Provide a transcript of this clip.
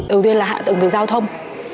đầu tiên là hạ tầng về giao thông